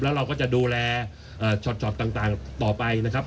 แล้วเราก็จะดูแลช็อตต่างต่อไปนะครับ